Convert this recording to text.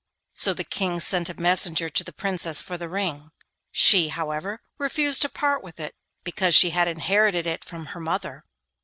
So the King sent a messenger to the Princess for the ring. She, however, refused to part with it, because she had inherited it from her mother.